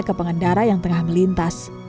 ke pengendara yang tengah melintas